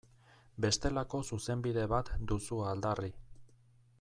Bestelako Zuzenbide bat duzu aldarri.